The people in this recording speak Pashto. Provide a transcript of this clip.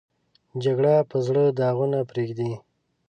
جګړه په زړه داغونه پرېږدي